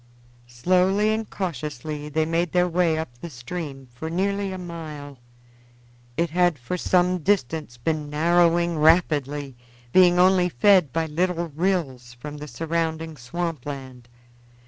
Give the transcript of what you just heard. Slowly and cautiously they made their way up the stream for nearly a mile. It had for some distance been narrowing rapidly, being only fed by little rills from the surrounding swamp land.